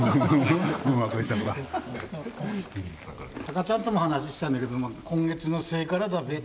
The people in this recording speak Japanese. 赤ちゃんとも話したんだけども今月の末からだべと。